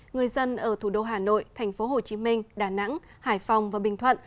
người dân ở thủ đô hà nội thành phố hồ chí minh đà nẵng hải phòng và bình thuận